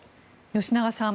吉永さん